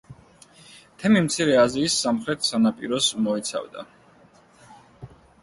თემი მცირე აზიის სამხრეთ სანაპიროს მოიცავდა.